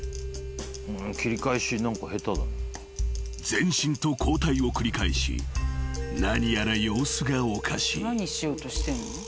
［前進と後退を繰り返し何やら様子がおかしい］